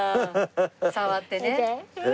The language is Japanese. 触ってね。